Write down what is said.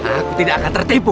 aku tidak akan tertipu